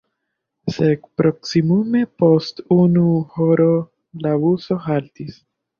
Sed proksimume post unu horo la buso haltis.